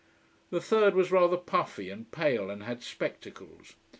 The third was rather puffy and pale and had spectacles.